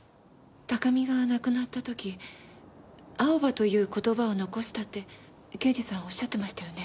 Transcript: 高見が亡くなった時アオバという言葉を残したって刑事さんおっしゃってましたよね？